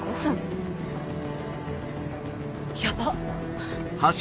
ヤバっ。